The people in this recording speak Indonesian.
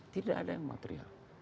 tidak ada yang material